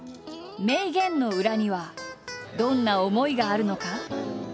名言の裏にはどんな思いがあるのか？